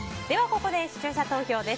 ここで視聴者投票です。